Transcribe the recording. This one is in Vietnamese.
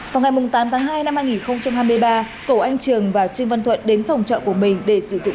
vào ngày tám tháng hai năm hai nghìn hai mươi ba cổ anh trường và trương văn thuận đến phòng trọ của mình để sử dụng